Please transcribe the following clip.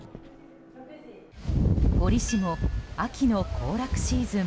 折しも、秋の行楽シーズン